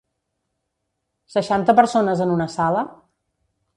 Seixanta persones en una sala?